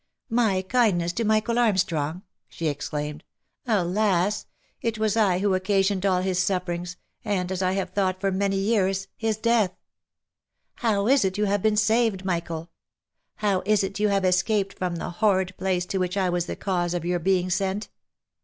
" My kindness to Michael Armstrong?" she exclaimed. —" Alas! it was I who occasioned all his sufferings, and, as I have thought for many years, his death. How is it you have been saved, Michael? How is it you have escaped from the horrid place to which I was the cause of your being sent